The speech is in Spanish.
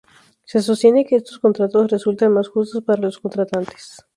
Se sostiene que estos contratos resultan más justos para los contratantes.